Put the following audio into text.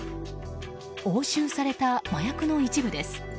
押収された麻薬の一部です。